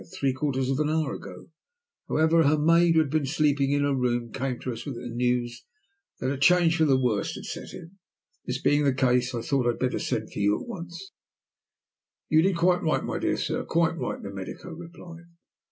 Three quarters of an hour ago, however, her maid, who had been sleeping in her room, came to us with the news that a change for the worse had set in. This being the case, I thought it better to send for you at once." "You did quite right, my dear sir, quite right," the medico replied.